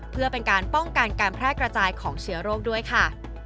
เพื่อเป็นการป้องกันการแพร่กระจายของเชื้อโรคด้วยค่ะ